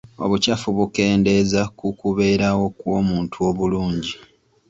Obukyafu bukendeeza ku kubeerawo kw'omuntu obulungi.